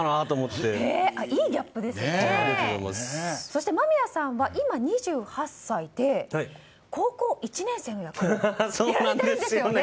そして間宮さんは今、２８歳で高校１年生の役をやられているんですよね。